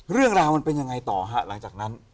เรื่องราวมันเป็นยังไงต่อฮะหลังจากนั้น